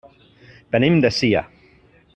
Venim de Silla.